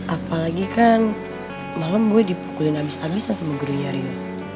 apalagi kan malem gue dipukulin abis abisan sama gurunya rio